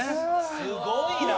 すごいな！